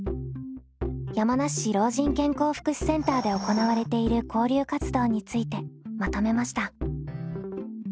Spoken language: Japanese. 山梨市老人健康福祉センターで行われている交流活動についてまとめました。